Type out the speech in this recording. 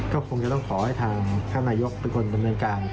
ก็ควรคิดคว่าอย่างท่านนายยกรเป็นคนดำเนียนการ